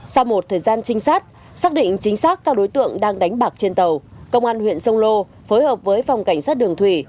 sau một thời gian trinh sát xác định chính xác các đối tượng đang đánh bạc trên tàu công an huyện sông lô phối hợp với phòng cảnh sát đường thủy